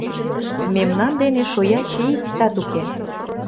Мемнан дене шояче иктат уке!